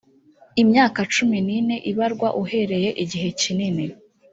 imyaka cumi n ine ibarwa uhereye igihe kinini